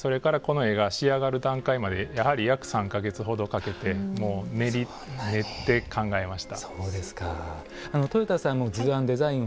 それからこの絵が仕上がる段階までやはり３か月程かけて練って、考えました。